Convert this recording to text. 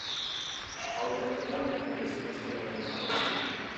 Aurten, ordea, lehen aldiz, idazkari batek jaso du.